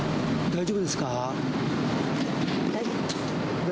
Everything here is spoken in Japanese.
大丈夫です。